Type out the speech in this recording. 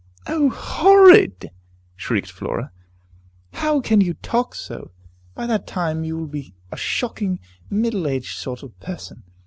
"O horrid!" shrieked Flora; "how can you talk so! By that time you will be a shocking, middle aged sort of person!